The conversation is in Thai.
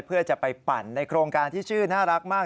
เพื่อจะไปปั่นในโครงการที่ชื่อน่ารักมาก